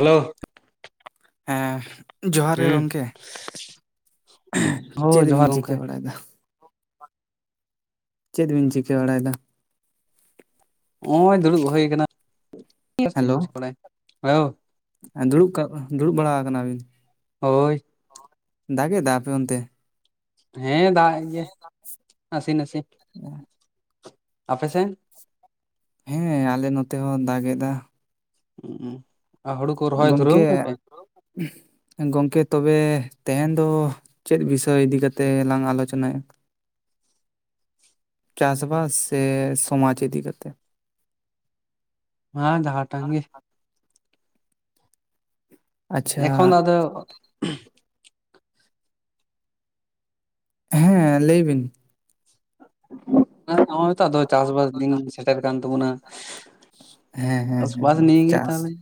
Hello ᱦᱮᱸ ᱡᱚᱦᱟᱨ ᱜᱮ ᱦᱩᱸ ᱜᱚᱢᱠᱮ, ᱦᱳᱭ ᱪᱮᱫ ᱡᱚᱦᱟᱨ ᱵᱤᱱ ᱜᱚᱝᱠᱮ ᱪᱤᱠᱟᱹ ᱵᱟᱲᱟᱭᱮᱫᱟ? ᱪᱮᱫ ᱵᱤᱱ ᱪᱤᱠᱟᱹ ᱵᱟᱲᱟᱭ ᱫᱟ? ᱱᱚᱜᱼᱚᱭ ᱫᱩᱲᱩᱵ ᱦᱩᱭ ᱟᱠᱟᱱᱟ ᱦᱮᱞᱳ [unintelligible] ᱫᱩᱲᱩᱵ, ᱫᱩᱲᱩᱵ ᱵᱟᱲᱟ ᱟᱠᱟᱱᱟ ᱵᱤᱱ ᱦᱳᱭ ᱫᱟᱜ ᱮᱫᱟ ᱟᱯᱮ ᱚᱱᱛᱮ? ᱦᱮᱸ ᱫᱟᱜ ᱜᱮ ᱱᱟᱥᱮ ᱱᱟᱥᱮ [inaudible] ᱟᱯᱮ ᱥᱮᱱ ᱦᱮᱸ ᱟᱞᱮ ᱱᱚᱛᱮ ᱦᱚᱸ ᱫᱟᱜ ᱮᱫᱟ᱾ [unintelligible] ᱠᱚ ᱨᱚᱦᱚᱭ ᱫᱷᱩᱨᱟᱹᱣ ᱜᱚᱢᱠᱮ, ᱱᱟᱯᱮ ᱜᱚᱢᱠᱮ ᱛᱚᱵᱮ ᱛᱮᱦᱮᱧ ᱫᱚ ᱪᱮᱫ ᱵᱤᱥᱚᱭ ᱤᱫᱤ ᱠᱟᱛᱮᱫ ᱞᱟᱝ ᱟᱞᱳᱪᱚᱱᱟᱭᱟ? ᱪᱟᱥᱵᱟᱥ ᱥᱮ ᱥᱚᱢᱟᱡᱽ ᱤᱫᱤ ᱠᱟᱛᱮ ᱦᱟᱸ ᱡᱟᱦᱟ ᱴᱟᱝᱜᱮ᱾ ᱟᱪᱪᱷᱟ ᱮᱠᱷᱚᱱ ᱟᱫᱚ ᱦᱮᱸ ᱞᱟᱹᱭ ᱵᱤᱱ᱾ [unintelligible] ᱱᱮᱛᱚᱜ ᱟᱫᱚ ᱪᱟᱥᱵᱟᱥ ᱫᱤᱱ ᱥᱮᱴᱮᱨ ᱠᱟᱱ ᱛᱟᱵᱚᱱᱟ, ᱦᱮᱸ ᱦᱮᱸ ᱦᱮᱸ ᱪᱟᱥᱵᱟᱥ ᱦᱮᱸ ᱱᱤᱭ ᱜᱮ ᱪᱟᱥ ᱛᱟᱦᱚᱞᱮ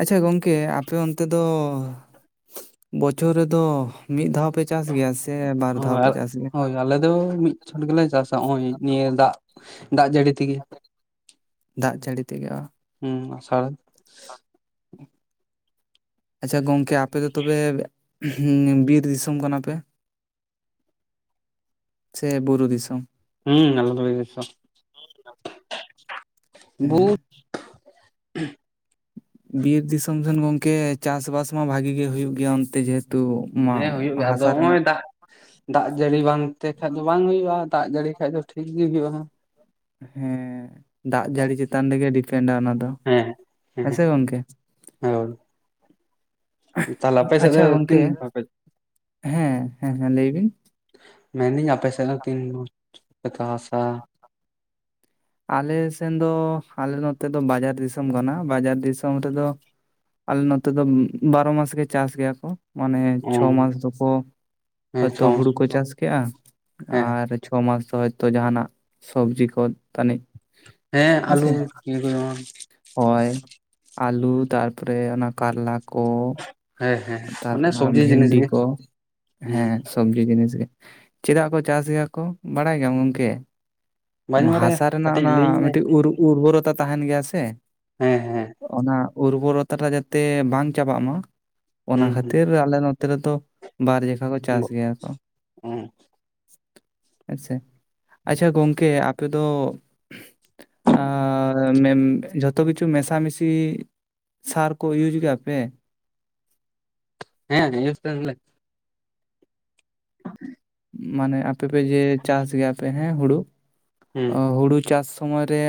ᱟᱪᱪᱷᱟ, ᱜᱚᱝᱠᱮ ᱟᱯᱮ ᱚᱱᱛᱮ ᱫᱚ ᱵᱚᱪᱷᱚᱨ ᱨᱮᱫᱚ, ᱢᱤᱫ ᱫᱷᱟᱣ ᱯᱮ ᱪᱟᱥ ᱜᱮᱭᱟ ᱥᱮ? ᱵᱟᱨ ᱫᱷᱟᱣ ᱯᱮ ᱚᱻ ᱪᱟᱥ ᱜᱮᱭᱟ ᱦᱳᱭ ᱟᱞᱮ ᱫᱚ ᱢᱤᱫ ᱪᱷᱚᱴ ᱜᱮᱞᱮ ᱪᱟᱥᱟ, ᱱᱚᱜ ᱱᱤᱭᱟᱹ ᱫᱟᱜ ᱫᱟᱜ ᱡᱟᱹᱲᱤ ᱛᱮᱜᱮ ᱫᱟᱜ ᱡᱟᱹᱲᱤ ᱛᱮᱜᱮ ᱚ ᱦᱩᱸ ᱟᱥᱟᱲ ᱟᱪᱪᱷᱟ ᱜᱚᱝᱠᱮ ᱟᱯᱮ ᱫᱚ ᱛᱚᱵᱮ, ᱵᱤᱨ ᱫᱤᱥᱚᱢ ᱠᱟᱱᱟ ᱯᱮ? ᱥᱮ ᱵᱩᱨᱩ ᱫᱤᱥᱚᱢ? ᱦᱩᱸ ᱟᱞᱮ ᱫᱚ ᱵᱩᱨᱩ ᱫᱤᱥᱚᱢ, ᱦᱮᱸ [unintelligible] ᱵᱤᱨ ᱫᱤᱥᱚᱢ ᱥᱮᱱ ᱜᱚᱢᱠᱮ, ᱪᱟᱥᱵᱟᱥ ᱢᱟ ᱵᱷᱟᱜᱮ ᱜᱮ ᱦᱩᱭᱩᱜ ᱜᱮᱭᱟ ᱚᱱᱛᱮ ᱡᱮᱦᱮᱛᱩ ᱢᱟ ᱦᱮᱸ ᱦᱩᱭᱩᱜ ᱜᱮᱭᱟ ᱟᱫᱚ ᱦᱟᱥᱟ ᱨᱮᱱᱟᱜ ᱱᱚᱜᱼᱚᱭ ᱫᱟᱜ ᱫᱟᱜ ᱡᱟᱹᱲᱤ ᱵᱟᱝ ᱛᱮ ᱠᱷᱟᱡ ᱫᱚ ᱵᱟᱝ ᱦᱩᱭᱩᱜᱼᱟ ᱫᱟᱜ ᱡᱟᱹᱲᱤ ᱠᱷᱟᱡ ᱫᱚ ᱴᱷᱤᱠ ᱜᱮ ᱦᱩᱭᱩᱜᱼᱟ ᱾ ᱦᱮᱸᱻ ᱫᱟᱜ ᱡᱟᱹᱲᱤ ᱪᱮᱛᱟᱱ ᱨᱮᱜᱮ ᱰᱤᱯᱮᱱᱰᱟ ᱚᱱᱟ ᱫᱚ ᱦᱮᱸ ᱮᱸ ᱦᱮᱸ ᱥᱮ ᱜᱚᱝᱠᱮ ᱦᱮᱸ ᱦᱚ ᱛᱟᱞᱦᱮ ᱟᱯᱮ ᱥᱮᱫ ᱫᱚ ᱟᱪᱪᱷᱟ ᱜᱚᱝᱠᱮ ᱛᱤᱱ ᱫᱷᱟᱣ ᱯᱮ ᱦᱮᱸ ᱦᱮᱸ ᱦᱮᱸ ᱞᱟᱹᱭ ᱵᱤᱱ ᱢᱮᱱᱧ ᱟᱯᱮ ᱥᱮ ᱛᱤᱱ [unintelligible] [inaudible] ᱟᱞᱮ ᱥᱮᱱ ᱫᱚ, ᱟᱞᱮ ᱱᱚᱛᱮ ᱫᱚ ᱵᱟᱡᱟᱨ ᱫᱤᱥᱚᱢ ᱠᱟᱱᱟ ᱵᱟᱡᱟᱨ ᱫᱤᱥᱚᱢ ᱨᱮᱫᱚ, ᱟᱞᱮ ᱱᱚᱛᱮ ᱫᱚ ᱵᱟᱨᱚ ᱢᱟᱥ ᱜᱮ ᱪᱟᱥ ᱜᱮᱭᱟ ᱠᱚ᱾ ᱢᱟᱱᱮ ᱚ ᱪᱷᱚ ᱢᱟᱥ ᱫᱚᱠᱚ ᱦᱭᱛᱚ ᱦᱩᱲᱩ ᱠᱚ ᱪᱟᱥ ᱠᱮᱜᱼᱟ, ᱦᱮᱸ ᱟᱨ ᱪᱷᱚ ᱢᱟᱥ ᱫᱚ ᱦᱚᱭᱛᱚ ᱡᱟᱦᱟᱱᱟᱜ ᱥᱚᱵᱽᱡᱤ ᱠᱚ ᱛᱟᱹᱱᱤᱡ ᱦᱮᱸ ᱦᱮᱸᱥᱮ ᱟᱞᱩ [unintelligible] ᱦᱚᱭ ᱟᱹᱞᱩ ᱛᱟᱨ ᱯᱚᱨᱮ ᱚᱱᱟ ᱠᱟᱨᱞᱟ ᱠᱚ ᱦᱮᱸ ᱦᱮᱸ ᱛᱟᱨ ᱚᱱᱮ ᱯᱚᱨᱮ ᱱᱟᱣᱟ ᱥᱚᱵᱽᱡᱤ ᱡᱤᱱᱤᱥ ᱵᱷᱮᱱᱰᱤ ᱜᱮ ᱠᱚ ᱦᱩᱸ ᱦᱮᱸ ᱥᱚᱵ ᱡᱤ ᱡᱤᱱᱤᱥ ᱜᱮ ᱪᱮᱫᱟᱜ ᱠᱚ ᱪᱟᱥ ᱜᱮᱭᱟ ᱠᱚ ᱵᱟᱲᱟᱭ ᱜᱮᱟᱢ ᱜᱚᱝᱠᱮ ᱵᱟᱹᱧ ᱢᱟ ᱵᱟᱲᱟᱭᱟ ᱦᱟᱥᱟ ᱨᱮᱱᱟᱜ ᱠᱟᱹᱴᱤᱡ ᱚᱱᱟ ᱞᱟᱹᱭᱟᱹᱧ ᱢᱮ ᱢᱤᱴᱤᱡ ᱩᱨ ᱩᱨᱵᱚᱨᱚᱛᱟ ᱛᱟᱦᱮᱱ ᱜᱮᱭᱟ ᱥᱮ ᱦᱮᱸ ᱦᱮᱸ ᱚᱱᱟ ᱩᱨᱵᱚᱨᱚᱛᱟ ᱡᱟᱛᱮ ᱵᱟᱝ ᱪᱟᱵᱟᱜ ᱢᱟ ᱚᱱᱟ ᱦᱩᱸ ᱦᱩᱸ ᱠᱷᱟᱹᱛᱤᱨ ᱟᱞᱮ ᱱᱚᱛᱮ ᱨᱮᱫᱚ ᱵᱟᱨ [unintelligible] ᱠᱚ ᱪᱟᱥ ᱜᱮᱭᱟ ᱠᱚ ᱦᱮᱸ ᱦᱮᱸ ᱥᱮ ᱟᱪᱪᱷᱟ ᱜᱚᱝᱠᱮ ᱟᱯᱮ ᱫᱚ ᱟᱨ ᱢᱮᱢ ᱡᱷᱚᱛᱚ ᱠᱤᱪᱷᱩ ᱢᱮᱥᱟᱢᱤᱥᱤ ᱥᱟᱨ ᱠᱚ ᱤᱭᱩᱪ ᱜᱮᱭᱟ ᱯᱮ? ᱦᱮᱸ ᱤᱭᱩᱪ [unintelligible] ᱾ [inaudible] ᱢᱟᱱᱮ ᱟᱯᱮᱯᱮ ᱡᱮ ᱪᱟᱥ ᱜᱮᱭᱟ ᱯᱮ ᱦᱮᱸ ᱦᱩᱲᱳ ᱦᱩᱲᱩ ᱪᱟᱥ ᱥᱚᱢᱚᱭ ᱨᱮ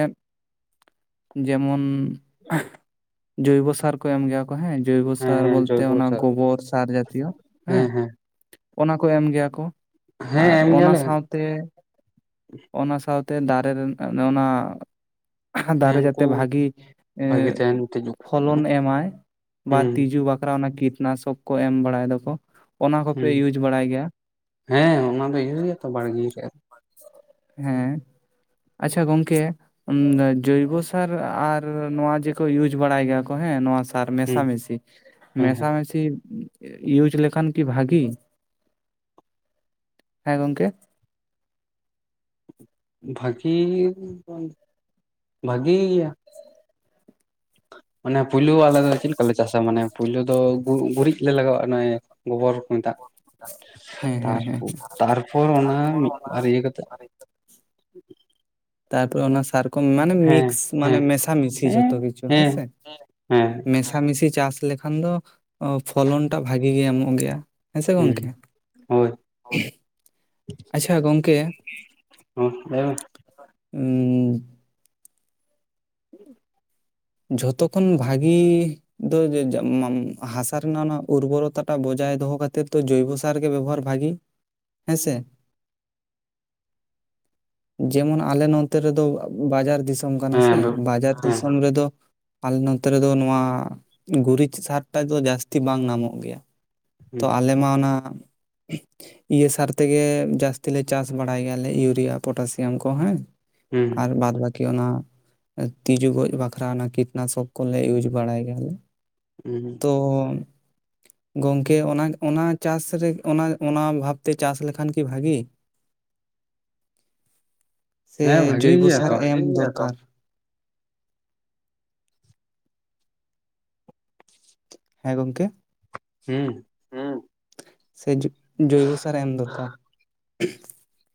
ᱡᱮᱢᱚᱱ ᱡᱚᱭᱵᱚ ᱥᱟᱨ ᱠᱚ ᱮᱢ ᱜᱮᱭᱟ ᱦᱮᱸ ᱡᱚᱭᱵᱚ ᱦᱮᱸ ᱥᱟᱨ ᱦᱮᱸ ᱵᱚᱞᱛᱮ ᱡᱚᱭᱵᱚ ᱚᱱᱟ ᱥᱟᱨ ᱜᱚᱵᱚᱨ ᱥᱟᱨ ᱡᱛᱤᱭᱚ ᱦᱮᱸ ᱚᱱᱟ ᱠᱚ ᱮᱢ ᱜᱮᱭᱟ ᱠᱚ ᱦᱮᱸ ᱟᱨ ᱮᱢ ᱚᱱᱟ ᱜᱮᱭᱟᱞᱮ ᱦᱮᱸ ᱥᱟᱶᱛᱮ ᱚᱱᱟ ᱥᱟᱶᱛᱮ ᱫᱟᱨᱮ ᱨᱮᱱ ᱚᱱᱮ ᱚᱱᱟ ᱫᱟᱨᱮ ᱡᱮᱛᱮ ᱩᱱᱠᱩ ᱵᱷᱟᱜᱤ ᱮᱸ ᱵᱷᱟᱜᱤ ᱛᱟᱦᱮᱱ ᱛᱮᱡᱩᱜ ᱦᱩᱸ ᱯᱷᱚᱞᱚᱱ ᱮᱢᱟᱭ ᱵᱟ ᱛᱤᱡᱩ ᱵᱟᱠᱷᱨᱟ ᱚᱱᱟ ᱠᱤᱴᱱᱟᱥᱚᱠ ᱠᱚ ᱮᱢ ᱵᱟᱲᱟᱭ ᱫᱚᱠᱚ ᱚᱱᱟ ᱠᱚᱯᱮ ᱦᱩᱸ ᱤᱭᱩᱪ ᱵᱟᱲᱟᱭ ᱜᱮᱭᱟ? ᱦᱮᱸ ᱚᱱᱟ ᱫᱚ [unintelligible] ᱛᱚ ᱵᱟᱲᱜᱮ ᱥᱮᱜ ᱦᱮᱸ ᱟᱪᱪᱷᱟ ᱜᱚᱝᱠᱮ ᱡᱚᱭᱵᱚᱥᱟᱨ ᱟᱨ ᱱᱚᱣᱟ ᱡᱮᱠᱚ ᱤᱭᱩᱪ ᱵᱟᱲᱟᱭ ᱜᱮᱭᱟ ᱠᱚ ᱦᱮᱸ ᱱᱚᱣᱟ ᱛᱟᱨ ᱦᱮᱸ ᱢᱮᱥᱟ ᱢᱮᱥᱤ ᱦᱮᱸ ᱢᱮᱥᱟ ᱦᱮᱸ ᱢᱮᱥᱤ ᱤᱭᱩᱪ ᱞᱮᱠᱷᱟᱱ ᱠᱤ ᱵᱷᱟᱹᱜᱤ᱾ᱦᱮᱸ ᱜᱚᱝᱠᱮ? ᱵᱷᱟᱜᱤ ᱵᱟᱝ ᱵᱷᱟᱜᱤᱭᱟ ᱚᱱᱮ ᱯᱩᱭᱞᱩ ᱟᱞᱮ ᱫᱚ ᱪᱮᱜ ᱞᱮᱠᱟᱞᱮ ᱪᱟᱥᱟ ᱢᱟᱱᱮ ᱯᱩᱭᱞᱩ ᱫᱚ ᱜᱩ ᱜᱩᱨᱤᱡ ᱞᱮ ᱞᱟᱜᱟᱣᱟᱜᱼᱟ ᱚᱱᱮ ᱜᱚᱵᱚᱨ ᱠᱚ ᱢᱮᱛᱟᱜ ᱦᱮᱸ ᱦᱮᱸ ᱦᱮᱸ ᱛᱟᱨᱯᱚ ᱛᱟᱨᱯᱚᱨ ᱚᱱᱟ ᱢᱤᱫᱵᱟᱨ ᱤᱭᱟᱹ ᱠᱟᱛᱮᱜ ᱛᱟᱨᱯᱚᱨ ᱚᱱᱟ ᱥᱟᱨ ᱠᱚᱢ ᱢᱟᱱᱮ ᱦᱮᱸ ᱢᱤᱠᱥ ᱢᱟᱱᱮ ᱦᱮᱸ ᱢᱮᱥᱟ ᱢᱤᱥᱤ ᱡᱚᱛᱷᱚ ᱠᱤᱪᱷᱩ ᱦᱮᱸ ᱥᱮ ᱦᱮᱸ ᱠᱷᱟ ᱢᱤᱥᱤ ᱪᱟᱥ ᱞᱮᱠᱷᱟᱱ ᱫᱚ ᱯᱷᱚᱞᱚᱱᱴᱟᱜ ᱵᱷᱟᱜᱤ ᱜᱮ ᱮᱢᱚᱜ ᱜᱮᱭᱟ᱾ ᱦᱮᱸ ᱥᱮ ᱜᱚᱝᱠᱮ ᱦᱳᱭ ᱟᱪᱪᱷᱟ ᱜᱚᱝᱠᱮ ᱦᱚᱸ ᱞᱟᱹᱭ ᱢᱮ [inaudible] ᱡᱷᱚᱛᱚ ᱠᱷᱚᱱ ᱵᱷᱟᱜᱤ ᱫᱳ [unintelligible] ᱦᱟᱥᱟ ᱨᱮᱱᱟᱜ ᱚᱱᱟ ᱩᱨᱵᱚᱨᱚᱛᱟᱴᱟᱜ ᱵᱚᱡᱟᱭ ᱫᱚᱦᱚ ᱠᱟᱛᱮᱜ ᱛᱚ ᱡᱳᱵᱚ ᱛᱟᱨᱜᱮ ᱵᱮᱵᱚᱦᱟᱨ ᱵᱷᱟᱜᱮ ᱦᱮᱸ ᱥᱮ ᱡᱮᱢᱚᱱ ᱟᱞᱮ ᱱᱚᱱᱛᱮ ᱨᱮᱫᱚ ᱵᱟᱡᱟᱨ ᱫᱤᱥᱚᱢ ᱠᱟᱱᱟ ᱥᱮ ᱵᱟᱡᱟᱨ ᱦᱩᱸ ᱫᱤᱥᱚᱢ ᱨᱮᱫᱚ ᱟᱞᱮ ᱱᱚᱱᱛᱮ ᱨᱮᱫᱚ ᱱᱚᱣᱟ ᱜᱩᱨᱤᱡ ᱥᱟᱨᱴᱟ ᱫᱚ ᱡᱟᱹᱥᱛᱤ ᱵᱟᱝ ᱱᱟᱢᱚᱜ ᱜᱮᱭᱟ᱾ ᱦᱩᱸ ᱛᱚ ᱟᱞᱮ ᱢᱟ ᱚᱱᱟ ᱤᱭᱟᱹ ᱥᱟᱨ ᱛᱮᱜᱮ ᱡᱟᱹᱥᱛᱤ ᱞᱮ ᱪᱟᱥ ᱵᱟᱲᱟᱭ ᱜᱮᱭᱟᱞᱮ ᱤᱭᱩᱨᱤᱭᱟ ᱯᱚᱴᱟᱥᱤᱭᱟᱢ ᱠᱚ ᱦᱮᱸ ᱟᱨ ᱵᱟᱫ ᱵᱟᱠᱤ ᱚᱱᱟ ᱛᱤᱡᱩ ᱜᱚᱡ ᱵᱠᱷᱨᱟ ᱚᱱᱟ ᱠᱤᱴᱱᱟᱥᱚᱠ ᱠᱚᱞᱮ ᱤᱭᱩᱪ ᱵᱟᱲᱟᱭ ᱜᱮᱭᱟᱞᱮ᱾ [unintelligible] ᱛᱚᱝ ᱜᱚᱝᱠᱮ ᱚᱱᱟ ᱚᱱᱟ ᱪᱟᱥ ᱨᱮ ᱚᱱᱟ ᱚᱱᱟ ᱵᱷᱟᱵᱛᱮ ᱪᱟᱥ ᱞᱮᱠᱷᱟᱱ ᱠᱤ ᱵᱷᱟᱜᱤ [inaudible] ᱥᱮ ᱦᱮᱸ ᱵᱷᱟᱜᱤ ᱡᱳᱵᱚ ᱜᱮᱭᱟ ᱥᱟᱨ ᱛᱚ ᱮᱢ ᱫᱚᱨᱠᱟᱨ ᱦᱮᱸ ᱜᱚᱝᱠᱮ ᱦᱩᱸ ᱦᱮᱸ ᱥᱮ [unintelligible] ᱡᱚᱭᱵᱚ ᱥᱟᱨ ᱮᱢ ᱫᱚᱠᱟᱨ [inaudible]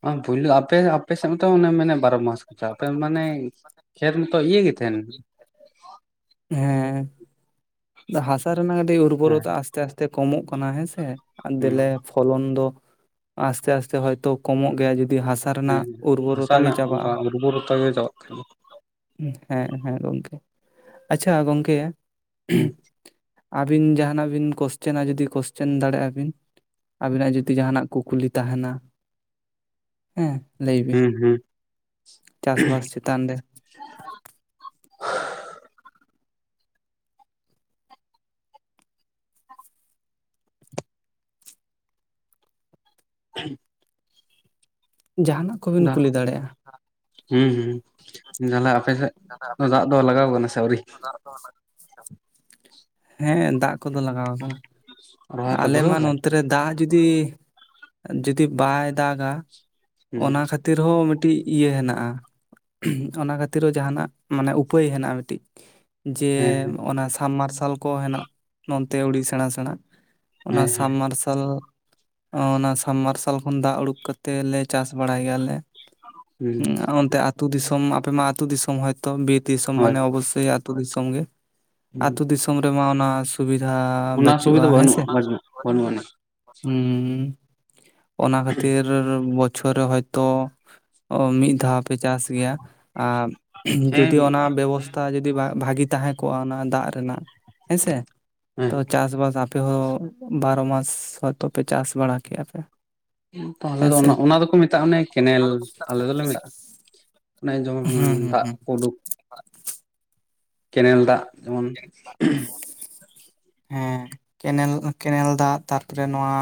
[unintelligible] ᱯᱩᱭᱞᱩ ᱟᱯᱮ ᱟᱯᱮ ᱥᱮᱫ ᱢᱚᱛᱚ ᱚᱱᱟ ᱢᱮᱱᱮᱫ ᱵᱟᱨᱚ ᱢᱟᱥ [unintelligible] ᱢᱟᱱᱮ ᱠᱷᱮᱛ ᱢᱚᱛᱚ ᱤᱭᱟᱹ ᱜᱮ ᱛᱟᱦᱮᱱ ᱦᱮᱸ ᱦᱟᱥᱟ ᱨᱮᱱᱟᱜ ᱠᱟᱹᱴᱤᱡ ᱦᱮᱸ ᱩᱨᱵᱚᱨᱚᱛᱟ ᱟᱥᱛᱮ ᱟᱥᱛᱮ ᱠᱚᱢᱚᱜ ᱠᱟᱱᱟ ᱦᱮᱸᱥᱮ ᱦᱮᱸ ᱫᱮᱞᱮ ᱯᱷᱚᱞᱚᱱ ᱫᱚ ᱟᱥᱛᱮ ᱟᱥᱛᱮ ᱦᱚᱭᱛᱚ ᱠᱚᱢᱚᱜ ᱜᱮᱭᱟ ᱡᱩᱫᱤ ᱦᱟᱥᱟ ᱞᱟᱛᱟᱨ ᱨᱮᱱᱟᱜ ᱦᱮᱸ ᱦᱟᱥᱟ ᱩᱨᱵᱚᱨᱚᱛᱟ ᱜᱮ ᱨᱮᱱᱟᱜ ᱚᱱᱠᱟ ᱪᱟᱵᱟᱜᱼᱟ ᱩᱨᱵᱚᱨᱚᱛᱟ ᱜᱮ ᱪᱟᱵᱟᱜ ᱠᱟᱱᱟ [unintelligible] [unintelligible] ᱦᱮᱸ ᱦᱮᱸ ᱜᱚᱢᱠᱮ ᱟᱪᱪᱷᱟ ᱜᱚᱢᱠᱮ [inaudible] ᱦᱩᱸ ᱟᱹᱵᱤᱱ ᱡᱟᱦᱟᱸᱱᱟᱜ ᱵᱤᱱ ᱠᱚᱥᱪᱮᱱᱟ ᱡᱩᱫᱤ ᱠᱚᱥᱪᱮᱱ ᱫᱟᱲᱮᱭᱟᱜ-ᱟ ᱵᱤᱱ ᱟᱹᱵᱤᱱᱟᱜ ᱡᱩᱫᱤ ᱡᱟᱦᱟᱱᱟᱜ ᱠᱩᱠᱞᱤ ᱛᱟᱦᱮᱱᱟ ᱦᱮᱸ ᱞᱟᱹᱭ ᱵᱤᱱ ᱦᱩᱸ ᱦᱩᱸ [inaudible] ᱪᱟᱥ-ᱵᱟᱥ ᱪᱮᱛᱟᱱ ᱨᱮ ᱦᱮ [inaudible] ᱡᱟᱦᱟᱱᱟᱜ ᱠᱚᱵᱤᱱ ᱠᱩᱞᱤ ᱫᱟᱲᱮᱭᱟᱜ-ᱟ [unintelligible] ᱛᱟᱦᱚᱞᱮ ᱟᱯᱮ ᱥᱮᱫ ᱫᱚ ᱫᱟᱜ ᱫᱚ ᱞᱟᱜᱟᱣ ᱠᱟᱱᱟ ᱥᱮ ᱟᱹᱣᱨᱤ [unintelligible] ᱦᱮᱸ ᱫᱟᱜ ᱠᱚᱫᱚ ᱞᱟᱜᱟᱣ ᱟᱠᱟᱱᱟ ᱨᱚᱦᱚᱭ ᱯᱮ ᱟᱞᱮ ᱫᱷᱩᱨᱟᱹᱣ ᱢᱟ ᱠᱟᱱᱟ ᱱᱚᱛᱮ ᱨᱮ ᱫᱟᱜ ᱡᱩᱫᱤ ᱡᱩᱫᱤ ᱵᱟᱭ ᱫᱟᱜᱟ ᱦᱩᱸ ᱚᱱᱟ ᱠᱷᱟᱹᱛᱤᱨ ᱛᱤ ᱨᱮᱦᱚᱸ ᱢᱤᱫᱴᱤᱡ ᱤᱭᱟᱹ ᱦᱮᱱᱟᱜᱼᱟ ᱚᱱᱟ ᱠᱷᱟᱹᱛᱤᱨ ᱦᱚᱸ ᱡᱟᱦᱟᱱᱟᱜ ᱢᱟᱱᱮ ᱩᱯᱟᱹᱭ ᱦᱮᱱᱟᱜ ᱢᱤᱫᱴᱤᱡ ᱡᱮ ᱦᱮᱸ ᱚᱱᱟ ᱥᱟᱢᱵ ᱢᱟᱨᱥᱟᱞ ᱠᱚ ᱦᱮᱱᱟᱜ ᱱᱚᱱᱛᱮ ᱟᱹᱰᱤ ᱥᱮᱬᱟ-ᱥᱮᱬᱟ ᱚᱱᱟ ᱦᱮᱸ ᱥᱟᱵ ᱦᱮᱸ ᱢᱟᱨᱥᱟᱞ ᱚᱱᱟ ᱥᱟᱵᱢ ᱢᱟᱨᱥᱟᱞ ᱠᱷᱚᱱ ᱫᱟᱜ ᱩᱰᱩᱠ ᱠᱟᱛᱮᱫ ᱞᱮ ᱪᱟᱥ ᱵᱟᱲᱟᱭ ᱜᱮᱭᱟᱞᱮ ᱦᱩᱸ ᱚᱱᱛᱮ ᱟᱹᱛᱩ ᱫᱤᱥᱚᱢ ᱟᱯᱮ ᱢᱟ ᱟᱹᱛᱩ ᱫᱤᱥᱚᱢ ᱦᱚᱭᱛᱚ ᱵᱤᱨ ᱫᱤᱥᱚᱢ ᱦᱳᱭ ᱢᱟᱱᱮ ᱚᱵᱚᱥᱥᱳᱭ ᱟᱹᱛᱩ ᱫᱤᱥᱚᱢ ᱜᱮ ᱟᱹᱛᱩ ᱫᱤᱥᱚᱢ ᱨᱮᱢᱟ ᱚᱱᱟ ᱥᱩᱵᱤᱫᱷᱟ ᱚᱱᱟ ᱥᱩᱵᱤᱫᱷᱟ ᱵᱟᱹᱪᱩᱜᱼᱟ ᱦᱮᱸ ᱵᱟᱹᱱᱩᱜᱼᱟ ᱥᱮ ᱵᱟᱹᱱᱩᱜ ᱵᱟᱹᱱᱩᱜ ᱟᱹᱱᱤᱡ [unintelligible] ᱦᱮᱸ ᱚᱱᱟ ᱠᱷᱟᱹᱛᱤᱨ ᱵᱚᱪᱷᱚᱨ ᱨᱮ ᱦᱚᱭᱛᱳ ᱢᱤᱫ [unintelligible] ᱫᱷᱟᱣ ᱯᱮ ᱪᱟᱥ ᱜᱮᱭᱟ [unintelligible] ᱦᱮᱸ ᱡᱩᱫᱤ ᱢᱤᱫ ᱚᱱᱟ ᱵᱮᱵᱚᱥ ᱛᱟ ᱡᱩᱫᱤ [unintelligible] ᱵᱷᱟᱹᱜᱤ ᱛᱟᱦᱮᱸ ᱠᱚᱜᱼᱟ ᱚᱱᱟ ᱫᱟᱜ ᱨᱮᱱᱟᱜ ᱦᱮᱸᱥᱮ ᱦᱮᱸ ᱛᱚ ᱪᱟᱥ-ᱵᱟᱥ [unintelligible] ᱟᱯᱮ ᱦᱚᱸ ᱵᱟᱨᱚ ᱢᱟᱥ ᱦᱚᱭᱛᱚ ᱯᱮ ᱪᱟᱥ ᱵᱟᱲᱟ ᱠᱮᱭᱟ ᱯᱮ [unintelligible] ᱛᱟᱦᱚᱞᱮ ᱫᱚ ᱦᱮᱸᱥᱮ ᱚᱱᱟ ᱚᱱᱟ ᱫᱚᱠᱚ ᱢᱮᱛᱟᱜᱼᱟ ᱚᱱᱮ ᱠᱮᱱᱮᱞ ᱟᱞᱮ ᱫᱚᱞᱮ ᱢᱮᱛᱟᱜ [inaudible] ᱚᱱᱮ ᱡᱮᱢᱚᱱ ᱦᱩᱸ [unintelligible] ᱦᱩᱸ ᱫᱟᱜ ᱦᱩᱸ ᱠᱚ ᱩᱰᱩᱠ ᱠᱮᱱᱮᱞ ᱫᱟᱜ ᱡᱮᱢᱚᱱ ᱦᱮᱸ ᱠᱮᱱᱮᱞ ᱠᱮᱱᱮᱞ ᱫᱟᱜ ᱛᱟᱨᱯᱚᱨᱮ ᱱᱚᱣᱟ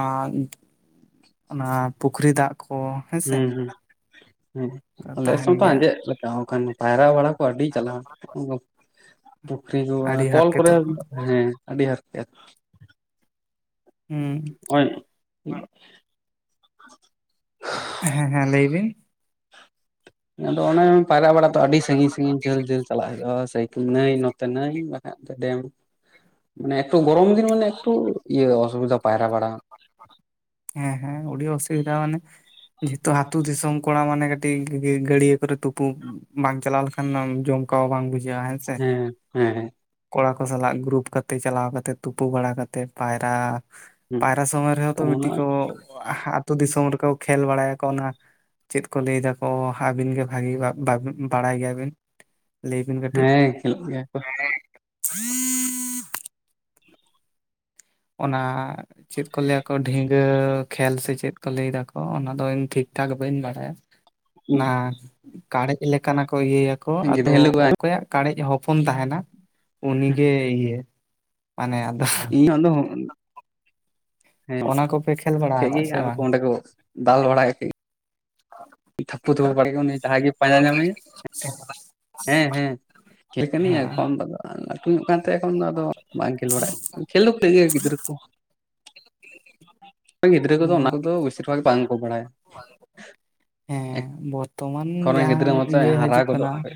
ᱚᱱᱟ ᱯᱩᱠᱷᱨᱤ ᱫᱟᱜ ᱠᱚ ᱦᱮᱸᱥᱮ ᱦᱩᱸ ᱦᱩᱸ [inaudible] ᱦᱩᱸ ᱟᱞᱮᱥᱮᱫ ᱛᱟᱦᱮᱱ ᱢᱚᱛᱚ ᱜᱮᱭᱟ ᱟᱸᱡᱮᱫ ᱞᱮᱠᱟ ᱟᱠᱟᱱ ᱯᱟᱭᱨᱟ ᱵᱟᱲᱟ ᱠᱚ ᱟᱹᱰᱤ ᱡᱟᱞᱟ [unintelligible] ᱯᱩᱠᱷᱨᱤ ᱠᱚ ᱟᱹᱰᱤ ᱠᱚᱞ ᱠᱚᱨᱮ ᱦᱟᱨᱠᱮᱛᱚᱜ ᱠᱟᱱᱟ᱾ ᱦᱮᱸ ᱟᱹᱰᱤ ᱦᱟᱨᱠᱮᱛ ᱦᱮᱸ ᱱᱚᱜᱼᱚᱭ [unintelligible] ᱦᱮᱸ ᱦᱮᱸ ᱞᱟᱹᱭ ᱵᱤᱱ ᱟᱫᱚ ᱚᱱᱮ ᱯᱟᱭᱨᱟ ᱵᱟᱲᱟ ᱛᱚ ᱟᱹᱰᱤ ᱥᱟᱺᱜᱤᱧ ᱥᱟᱺᱜᱤᱧ ᱡᱷᱟᱹᱞ ᱡᱷᱟᱹᱞ ᱪᱟᱞᱟᱜ ᱦᱩᱭᱩᱜᱼᱟ ᱥᱮᱭ ᱱᱟᱹᱭ ᱱᱚᱛᱮ ᱱᱟᱹᱭ ᱵᱟᱠᱷᱟᱡ ᱫᱚ ᱰᱮᱢ ᱢᱟᱱᱮ ᱮᱛᱚ ᱜᱚᱨᱚᱢ ᱫᱤᱱ ᱢᱟᱱᱮ ᱮᱠᱴᱩ ᱤᱭᱟᱹ ᱚᱥᱩᱵᱤᱫᱟ ᱯᱟᱭᱨᱟ ᱵᱟᱲᱟ ᱦᱮᱸ ᱦᱮᱸ ᱟᱹᱰᱤ ᱚᱥᱩᱵᱤᱫᱷᱟ ᱢᱟᱱᱮ ᱡᱮᱦᱮᱛᱩ ᱟᱛᱳ ᱫᱤᱥᱚᱢ ᱠᱚᱲᱟ ᱢᱟᱱᱮ ᱠᱟᱹᱴᱤᱡ ᱜᱟᱹᱰᱭᱟᱹ ᱠᱚᱨᱮ ᱛᱩᱯᱩ ᱵᱟᱝ ᱪᱟᱞᱟᱣ ᱞᱮᱠᱷᱟᱱ ᱟᱱ ᱡᱚᱢᱠᱟᱣᱟ ᱵᱟᱝ ᱵᱩᱡᱷᱟᱹᱜᱼᱟ ᱦᱮᱸᱥᱮ ᱦᱮᱸ ᱦᱮᱸ ᱦᱮᱸ ᱠᱚᱲᱟ ᱠᱚ ᱥᱟᱞᱟᱜ ᱜᱨᱩᱯ ᱠᱟᱛᱮᱫ ᱪᱟᱞᱟᱣ ᱠᱟᱛᱮ ᱛᱩᱯᱩ ᱵᱟᱲᱟ ᱠᱟᱛᱮᱫ ᱯᱟᱭᱨᱟ ᱦᱮᱸ ᱯᱟᱭᱨᱟ ᱥᱚᱢᱚᱭ ᱨᱮᱦᱚᱸ ᱛᱚ ᱢᱤᱫᱴᱤᱡ ᱠᱚ ᱟᱹᱛᱩ ᱫᱤᱥᱚᱢ ᱨᱮᱠᱚ ᱠᱷᱮᱞ ᱵᱟᱲᱟᱭᱟᱠᱚ ᱚᱱᱟ ᱪᱮᱫ ᱠᱚ ᱞᱟᱹᱭ ᱫᱟᱠᱚ ᱟᱹᱵᱤᱱ ᱜᱮ ᱵᱷᱟᱹᱜᱤ [unintelligible] ᱵᱟᱲᱟᱭ ᱜᱮᱭᱟᱵᱤᱱ ᱞᱟᱹᱭ ᱵᱤᱱ ᱠᱟᱹᱴᱤᱡ ᱦᱮᱸ ᱠᱷᱮᱞᱳᱜ ᱜᱮᱭᱟ ᱠᱚ [unintelligible] ᱚᱱᱟ ᱪᱮᱫ ᱠᱚ ᱞᱟᱹᱭᱟᱠᱚ ᱰᱷᱤᱝ ᱤᱭᱟᱹ ᱠᱷᱮᱞ ᱥᱮ ᱪᱮᱫ ᱠᱚ ᱞᱟᱹᱭ ᱫᱟᱠᱚ ᱚᱱᱟ ᱫᱚ ᱤᱧ ᱴᱷᱤᱠ ᱴᱷᱟᱠ ᱵᱟᱹᱧ ᱵᱟᱲᱟᱭᱟ ᱚᱱᱟ ᱠᱟᱲᱮᱡ ᱞᱮᱠᱟᱱᱟᱜ ᱠᱚ ᱤᱭᱟᱹᱭᱟᱠᱚ, ᱜᱮᱰᱮ ᱟᱫᱚ ᱦᱤᱞᱳᱜ ᱚᱠᱚᱭᱟᱜ ᱠᱟᱲᱮᱡ ᱦᱚᱯᱚᱱ ᱛᱟᱦᱮᱱᱟ ᱩᱱᱤᱜᱮ ᱤᱭᱟᱹ ᱢᱟᱱᱮ ᱟᱫᱚ [unintelligible] ᱤᱧ ᱟᱫᱚ ᱦᱮᱸ ᱚᱱᱟ ᱠᱚᱯᱮ ᱠᱷᱮᱞ ᱵᱟᱲᱟ ᱴᱷᱤᱠ ᱟᱠᱟᱫ ᱜᱮᱭᱟ ᱥᱮ ᱟᱨ ᱠᱚ ᱵᱟᱝ ᱦᱚᱸ ᱚᱸᱰᱮ ᱠᱚ ᱫᱟᱞ ᱵᱟᱲᱟᱭ [unintelligible] ᱛᱷᱟᱹᱯᱯᱩ ᱛᱷᱩ ᱵᱟᱲᱮ ᱜᱮ ᱚᱱᱤ [unintelligible] ᱜᱮ ᱯᱟᱸᱡᱟ ᱧᱟᱢᱮᱭᱟ [unintelligible] ᱦᱮᱸ ᱦᱮᱸ ᱠᱷᱮᱞ ᱠᱟᱹᱱᱟᱹᱧ ᱮᱠᱷᱚᱱ [unintelligible] ᱫᱚ ᱞᱟᱹᱴᱩ ᱧᱚᱜ ᱠᱟᱱᱛᱮ ᱮᱠᱷᱚᱱ ᱫᱚ ᱟᱫᱚ ᱵᱟᱝ ᱠᱷᱮᱞ ᱵᱟᱲᱟᱭ [unintelligible] ᱜᱤᱫᱨᱟᱹ ᱠᱚ, ᱜᱤᱫᱽᱨᱟᱹ ᱠᱚᱫᱚ ᱚᱱᱟ ᱠᱚᱫᱚ ᱵᱮᱥᱤᱨ ᱵᱷᱟᱜᱽ ᱵᱟᱝᱠᱚ ᱵᱟᱲᱟᱭᱟ ᱦᱮᱸ ᱵᱚᱨᱛᱚᱢᱟᱱ ᱮᱠᱷᱚᱱ ᱨᱮᱱ ᱡᱟᱦᱟᱸ ᱜᱤᱫᱽᱨᱟᱹ ᱢᱟᱛᱚ ᱤᱭᱟᱹ ᱦᱟᱨᱟ ᱦᱟᱹᱡᱩᱜ ᱠᱟᱱᱟ ᱜᱚᱫᱚᱜ ᱠᱷᱚᱡ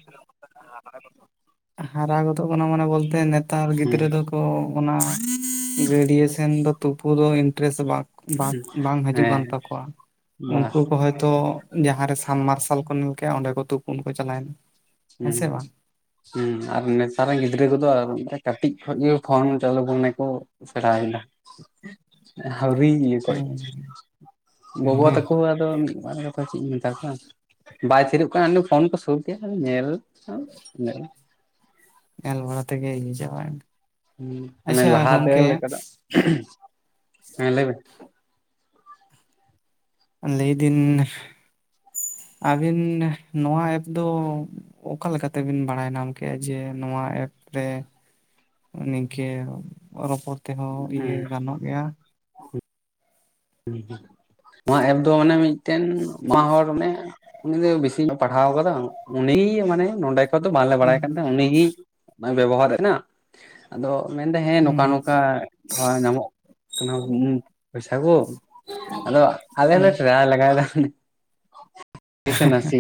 ᱦᱟᱨᱟ ᱜᱚᱫᱚᱜ ᱠᱟᱱᱟ ᱢᱟᱱᱮ ᱵᱚᱞᱛᱮ ᱱᱮᱛᱟᱨ ᱦᱩᱸ ᱜᱤᱫᱽᱨᱟᱹ ᱫᱚ ᱛᱚ ᱚᱱᱟ ᱜᱟᱹᱰᱤᱭᱟᱹ ᱥᱮᱱ ᱫᱚ ᱛᱩᱯᱩ ᱫᱚ ᱤᱱᱴᱨᱮᱥ ᱵᱟᱝ ᱵᱟᱸᱫᱽ ᱦᱩᱸ ᱵᱟᱝ ᱦᱤᱡᱩᱜ ᱠᱟᱱ ᱦᱮᱸ ᱛᱟᱠᱚᱣᱟ ᱵᱟ ᱩᱱᱠᱩ ᱠᱚ ᱦᱚᱭᱛᱳ ᱡᱟᱦᱟᱸ ᱨᱮ ᱥᱟᱢ ᱢᱟᱨᱥᱟᱞ ᱠᱚ ᱧᱮᱞ ᱠᱮᱜ-ᱟ ᱚᱸᱰᱮ ᱠᱚ ᱛᱩᱯᱩᱱ ᱠᱚ ᱪᱟᱞᱟᱣᱮᱱᱟ᱾ ᱦᱮᱸ ᱥᱮ ᱵᱟᱝ [unintelligible] [unintelligible] ᱟᱨ ᱱᱮᱛᱟᱨ ᱨᱮᱱ ᱜᱤᱫᱽᱨᱟᱹ ᱠᱚᱫᱚ ᱟᱨ ᱠᱟᱴᱤᱡ ᱠᱷᱚᱡ ᱜᱮ ᱯᱷᱳᱱ ᱪᱟᱹᱞᱩ ᱢᱚᱱᱮ ᱠᱚ [unintelligible] ᱦᱟᱹᱣᱨᱤ ᱤᱭᱟᱹ ᱦᱮᱸ [unintelligible] ᱜᱚᱜᱚ ᱦᱮᱸ ᱛᱟᱠᱚ ᱟᱫᱚ [unintelligible] ᱪᱮᱫ ᱤᱧ ᱢᱮᱛᱟ ᱠᱚᱣᱟ ᱵᱟᱭ ᱛᱷᱤᱨᱩᱜ ᱠᱟᱱ ᱯᱷᱳᱱ ᱛᱚ ᱥᱩᱨ ᱛᱮ ᱧᱮᱞ [unintelligible] ᱧᱮᱞ ᱵᱟᱲᱟ ᱛᱮᱜᱮ [unintelligible] ᱟᱪᱪᱷᱟ [unintelligible] ᱞᱟᱦᱟᱛᱮ ᱜᱚᱝᱠᱮ ᱞᱮᱠᱟᱱᱟᱜ ᱦᱮᱸ ᱞᱟᱹᱭ ᱢᱮ ᱞᱟᱹᱭᱫᱤᱱ ᱟᱵᱤᱱ ᱱᱚᱣᱟ ᱮᱯ ᱫᱚ ᱚᱠᱟ ᱞᱮᱠᱟ ᱛᱮᱵᱤᱱ ᱵᱟᱲᱟᱭ ᱱᱟᱢ ᱠᱮᱜ-ᱟ ᱡᱮ ᱱᱚᱣᱟ ᱮᱯ ᱨᱮ ᱱᱤᱝᱠᱷᱤᱭᱟ ᱨᱚᱯᱚᱲ ᱛᱮᱦᱚᱸ ᱤᱭᱟᱹ ᱜᱟᱱᱚᱜ ᱜᱮᱭᱟ [unintelligible] [inaudible] ᱱᱚᱣᱟ ᱮᱯ ᱫᱚ ᱢᱟᱱᱮ ᱢᱤᱫᱴᱮᱱ ᱢᱟ ᱦᱚᱲ [unintelligible] ᱩᱱᱤ ᱫᱚ ᱵᱤᱥᱤ ᱧᱚᱜ ᱯᱟᱲᱦᱟᱣ ᱠᱟᱫᱟ ᱩᱱᱤ ᱜᱮ ᱢᱟᱱᱮ ᱱᱚᱰᱮ ᱠᱷᱚᱡ ᱫᱚ ᱵᱟᱞᱮ ᱵᱟᱲᱟᱭ ᱦᱩᱸ ᱠᱟᱫᱟ ᱩᱱᱤ ᱜᱮ [unintelligible] ᱵᱮᱵᱚᱦᱟᱨ [unintelligible] ᱟᱫᱚ ᱢᱮᱱᱫᱟᱭ ᱦᱮᱸ ᱦᱩᱸ ᱱᱚᱝᱠᱟ, ᱱᱚᱝᱠᱟ ᱛᱷᱚᱲᱟ ᱧᱟᱢᱚᱜ ᱠᱟᱱᱟ ᱯᱚᱭᱥᱟ ᱠᱚ᱾ ᱟᱫᱚ ᱟᱞᱮ ᱦᱩᱸ ᱦᱚᱞᱮ ᱴᱨᱟᱭ ᱞᱮᱜᱟᱭ ᱫᱟ [unintelligible] ᱥᱮ ᱱᱟᱹᱥᱤ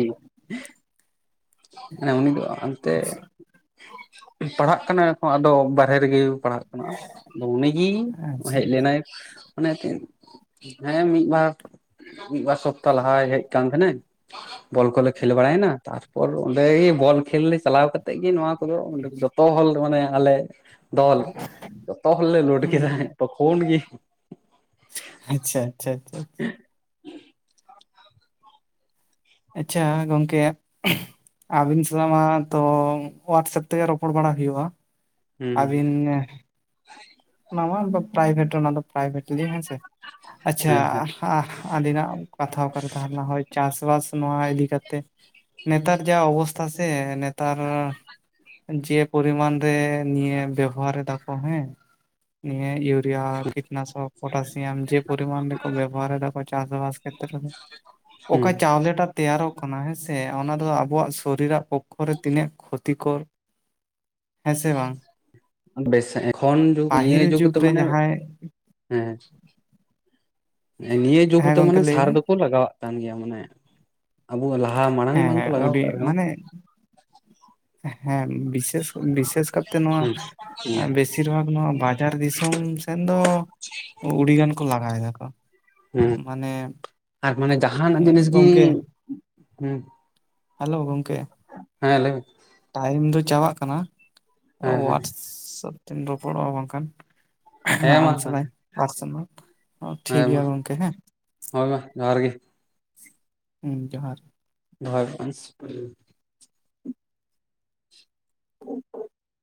ᱢᱟᱱᱮ [inaudible] ᱩᱱᱤ ᱫᱚ ᱟᱱᱛᱮ ᱯᱟᱲᱦᱟᱜ ᱠᱟᱱᱟᱭ ᱟᱫᱚ ᱵᱟᱨᱦᱮ ᱨᱮᱜᱮ ᱯᱟᱲᱦᱟᱜ ᱜᱟᱱᱚᱜ-ᱟ ᱟᱫᱚ ᱩᱱᱤᱜᱮ ᱦᱚᱸᱚᱡᱽ ᱟᱪᱪᱷᱟ ᱦᱮᱡ ᱞᱮᱱᱟᱭ ᱢᱟᱱᱮ ᱦᱮᱸ ᱢᱤᱫ ᱵᱟᱨ ᱢᱤᱫ ᱵᱟᱨ ᱥᱚᱯᱛᱟ ᱞᱟᱦᱟᱭ ᱦᱮᱡ ᱠᱟᱱ ᱛᱟᱦᱮᱸᱱᱟᱹᱧ ᱵᱚᱞ ᱠᱚᱞᱮ ᱠᱷᱮᱞ ᱵᱟᱲᱟᱭᱱᱟ ᱛᱟᱨᱯᱚᱨ ᱚᱸᱰᱮ ᱜᱮ ᱵᱚᱞ ᱠᱷᱮᱞ ᱞᱮ ᱪᱟᱞᱟᱣ ᱠᱟᱛᱮᱜ ᱜᱮ ᱱᱚᱣᱟ ᱡᱚᱛᱚ ᱦᱚᱞ ᱢᱟᱱᱮ ᱟᱞᱮ ᱫᱚᱞ ᱡᱚᱛᱚ ᱦᱚᱞ ᱞᱮ ᱞᱳᱰ ᱠᱮᱫᱟ ᱛᱚᱹᱠᱷᱩᱱ ᱜᱮ ᱟᱪᱪᱷᱟ ᱟᱪᱪᱷᱟ ᱟᱪᱪᱷᱟ [unintelligible] ᱟᱪᱪᱷᱟ ᱜᱚᱝᱠᱮ [unintelligible] ᱟᱹᱵᱤᱱ ᱥᱟᱞᱟᱜ ᱢᱟ ᱛᱚ ᱣᱟᱴᱥᱮᱯ ᱛᱮᱜᱮ ᱨᱚᱯᱚᱲ ᱵᱟᱲᱟ ᱦᱩᱭᱩᱜ-ᱟ ᱦᱩᱸ ᱟᱹᱵᱤᱱ ᱱᱟᱣᱟᱞ ᱫᱚ ᱯᱨᱟᱭᱵᱷᱮᱴ ᱚᱱᱟ ᱫᱚ ᱯᱨᱟᱭᱵᱷᱮᱴᱞᱤ ᱦᱮᱸᱥᱮ ᱟᱪᱪᱷᱟ ᱦᱮᱸ ᱦᱮᱸ ᱟᱹᱫᱤᱱᱟᱜ ᱠᱟᱛᱷᱟ ᱚᱠᱟᱨᱮ ᱛᱟᱦᱮᱸ ᱞᱮᱱᱟ ᱦᱳᱭ ᱪᱟᱥ ᱵᱟᱥ ᱱᱚᱣᱟ ᱤᱫᱤ ᱠᱟᱛᱮ ᱱᱮᱛᱟᱨ ᱡᱟ ᱚᱵᱚᱥᱛᱷᱟ ᱥᱮ ᱛᱟᱨ ᱡᱮ ᱯᱚᱨᱤᱢᱟᱱ ᱨᱮ ᱱᱤᱭᱟᱹ ᱵᱮᱵᱚᱦᱟᱨ ᱮᱫᱟ ᱠᱚ ᱦᱮᱸ, ᱱᱤᱭᱟᱹ ᱤᱭᱟᱹ [inaudible] ᱠᱤᱴᱱᱟᱥᱚᱠ ᱯᱴᱟᱥᱤᱭᱟᱢ ᱡᱮ ᱯᱚᱨᱤᱢᱟᱱ ᱨᱮᱠᱚ ᱵᱮᱵᱚ ᱦᱟᱨ ᱮᱫᱟ ᱪᱟᱥ ᱵᱟᱥ ᱠᱷᱮᱫᱨᱮ ᱨᱮ ᱚᱠᱟ ᱦᱩᱸ ᱪᱟᱣᱞᱮ ᱴᱟ [unintelligible] ᱛᱮᱭᱟᱨᱚᱜ ᱠᱟᱱᱟ ᱦᱮᱸ ᱥᱮ ᱚᱱᱟ ᱫᱚ ᱟᱵᱚᱣᱟᱜ ᱥᱚᱨᱤᱨᱟᱜ ᱯᱚᱠᱠᱷᱚ ᱨᱮ ᱛᱤᱱᱟᱹᱜ ᱠᱷᱚᱛᱤ ᱠᱚᱨ ᱦᱮᱸ ᱥᱮ ᱵᱟᱝ ᱵᱮᱥ [inaudible] ᱱᱤᱭᱟᱹ ᱯᱟᱹᱦᱤᱞ ᱡᱩᱜ ᱡᱩᱜᱽ ᱫᱚ ᱨᱮ ᱢᱟᱱᱮ ᱡᱟᱦᱟᱸᱭ ᱦᱮᱸ [unintelligible] ᱱᱤᱭᱟᱹ ᱡᱩᱜᱽ ᱦᱮᱸ ᱨᱮᱫᱚ ᱜᱚᱝᱠᱮ ᱢᱟᱱᱮ ᱞᱟᱹᱭ ᱥᱟᱨ ᱵᱤᱱ ᱫᱚᱠᱚ ᱞᱟᱜᱟᱣᱟᱜ ᱠᱟᱱ ᱜᱮᱭᱟ ᱢᱟᱱᱮ ᱟᱵᱚ ᱞᱟᱦᱟ ᱢᱟᱲᱟᱝ ᱦᱮᱸ ᱵᱟᱝᱠᱚ ᱞᱟᱜᱟᱣ ᱩᱰᱤ ᱠᱟᱜ ᱨᱮᱦᱚᱸ ᱢᱟᱱᱮ ᱦᱮᱸ ᱵᱮᱥᱮᱥ ᱵᱤᱥᱮᱥ ᱠᱟᱨᱛᱮ ᱱᱚᱣᱟ ᱦᱩᱸ ᱵᱮᱥ [inaudible] ᱵᱟᱡᱟᱨ ᱫᱤᱥᱚᱢ ᱥᱮᱱ ᱫᱚ ᱩᱰᱤᱜᱟᱱ ᱠᱚ ᱞᱟᱜᱟ ᱮᱫ ᱟ ᱠᱚ ᱦᱩᱸ ᱢᱟᱱᱮ ᱟᱨ ᱢᱟᱱᱮ ᱮᱸ ᱡᱟᱦᱟᱱᱟᱜ ᱡᱤᱱᱤᱥ [unintelligible] ᱜᱮ ᱜᱚᱝᱠᱮ ᱦᱩᱸ ᱦᱮᱞᱳ ᱜᱚᱝᱠᱮ [unintelligible] ᱦᱮᱸ ᱞᱟᱭ ᱢᱮ ᱴᱟᱭᱤᱢ ᱫᱚ ᱪᱟᱵᱟᱜ ᱠᱟᱱᱟ ᱦᱮᱸ ᱦᱮᱸ ᱳᱣᱟᱴᱥᱮᱯ ᱛᱮᱢ ᱨᱚᱯᱚᱲᱚᱜᱼᱟ ᱵᱟᱝ ᱠᱷᱟᱱ ᱦᱮᱸ ᱦᱟᱸ ᱢᱟ ᱟᱢ ᱥᱟᱞᱟᱜ [inaudible] ᱴᱷᱤᱠ ᱦᱮᱸ ᱢᱟ ᱜᱮᱭᱟ ᱜᱚᱝᱠᱮ ᱦᱮᱸ ᱦᱳᱭ ᱢᱟ ᱡᱚᱦᱟᱨ ᱜᱮ ᱦᱮᱸ ᱡᱚᱦᱟᱨ [inaudible]